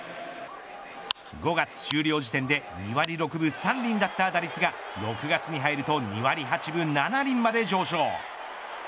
５月終了時点で２割６分３厘だった打率が６月に入ると２割８分７厘まで上昇。